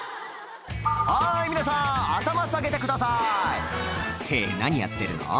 「はい皆さん頭下げてください」って何やってるの？